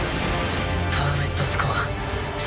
パーメットスコア３。